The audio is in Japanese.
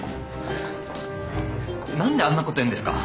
何であんなこと言うんですか？